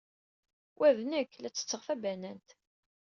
Wa d nekk, la ttetteɣ tabanant.